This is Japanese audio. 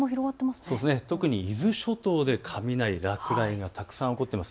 特に伊豆諸島で雷、落雷がたくさん起こっています。